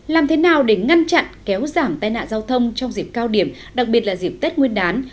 làm thế nào để ngăn chặn kéo giảm tai nạn giao thông trong dịp cao điểm đặc biệt là dịp tết nguyên đán